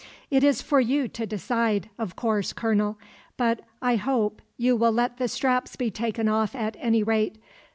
"It is for you to decide, of course, colonel; but I hope you will let the straps be taken off at any rate.